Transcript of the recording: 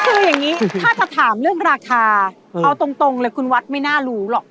คืออย่างนี้ถ้าจะถามเรื่องราคาเอาตรงเลยคุณวัดไม่น่ารู้หรอก